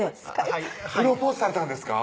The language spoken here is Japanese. はいプロポーズされたんですか？